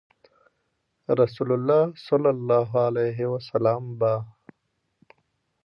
رسول الله صلی الله عليه وسلم به